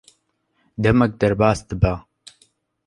demek derbas dibe;